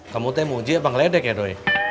kamu tuh mau jahat apa ngeledek ya dowie